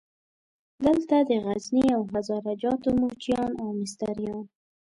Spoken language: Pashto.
دلته د غزني او هزاره جاتو موچیان او مستریان.